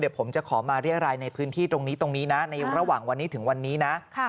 ผมจะขอมาเรียรายในพื้นที่ตรงนี้ตรงนี้นะในระหว่างวันนี้ถึงวันนี้นะ